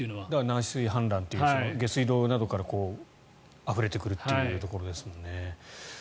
内水氾濫っていう下水道などからあふれてくるっていうところですもんね。